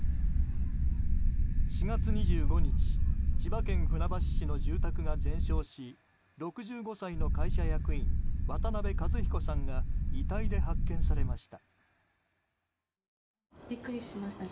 ４月２５日千葉県船橋市の住宅が全焼し６５歳の会社役員渡辺和彦さんが遺体で発見されました。